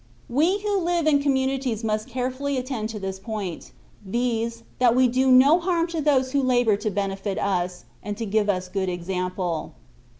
We who live in communities must carefully attend to this point, viz., that we do no harm to those who labour to benefit us, and to give us good example.